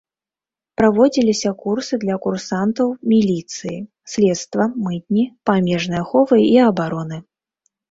Праводзіліся курсы для курсантаў міліцыі, следства, мытні, памежнай аховы і абароны.